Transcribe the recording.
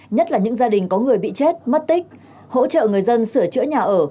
nhất là những gia đình có người bị chết mất tích hỗ trợ người dân sửa chữa nhà ở